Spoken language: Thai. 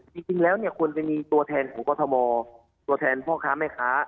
จริงแล้วเนี่ยควรจะมีตัวแทนของกรทมตัวแทนพ่อค้าแม่ค้า